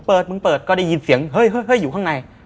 มึงเปิดก็ได้ยินเสียงเฮ้ยอยู่ข้างใน